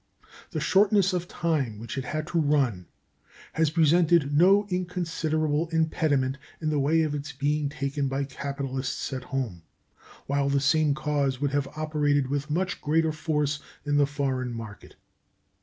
The shortness of time which it had to run has presented no inconsiderable impediment in the way of its being taken by capitalists at home, while the same cause would have operated with much greater force in the foreign market.